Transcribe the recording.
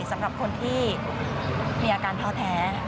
สำหรับคนที่มีอาการท้อแท้